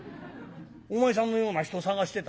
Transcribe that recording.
お前さんのような人を探してた。